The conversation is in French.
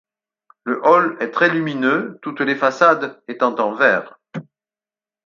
Le hall est très lumineux, toutes les façades étant en verre.